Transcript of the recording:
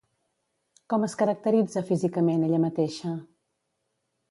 Com es caracteritza, físicament, ella mateixa?